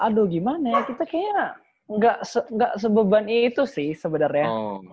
aduh gimana ya kita kayaknya nggak sebeban itu sih sebenarnya